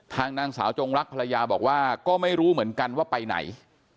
นางสาวจงรักภรรยาบอกว่าก็ไม่รู้เหมือนกันว่าไปไหน